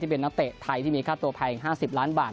เป็นนักเตะไทยที่มีค่าตัวแพง๕๐ล้านบาท